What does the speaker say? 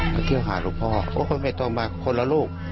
เขาเที่ยวหาลูกพ่อโอ้ไม่ต้องมาคนละลูก